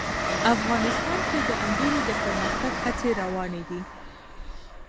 افغانستان کې د انګورو د پرمختګ هڅې روانې دي.